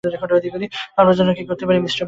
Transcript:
আপনার জন্য কি করতে পারি, মিঃ ব্লুম?